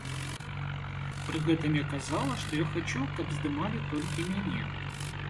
Пры гэтым я казала, што я хачу, каб здымалі толькі мяне.